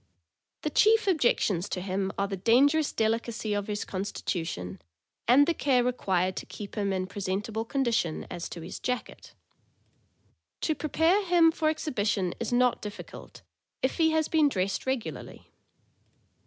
The chief objections to him are the dangerous delicacy of his constitution and the care required to keep him in pre sentable condition as to his jacket. To prepare him for exhibition is not difficult, if he has been dressed regularly.